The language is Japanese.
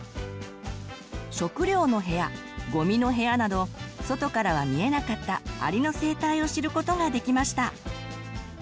「しょくりょうのへや」「ごみのへや」など外からは見えなかったアリの生態を知ることができました。